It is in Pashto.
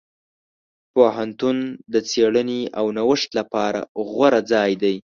پوهنتون د څېړنې او نوښت لپاره غوره ځای دی.